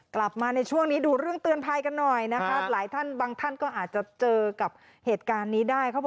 กลับมาในช่วงนี้ดูเรื่องเตือนภายกันหน่อย